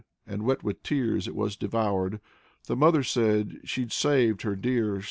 And wet with tears It was devoured. The mother said She'd saved her dear. .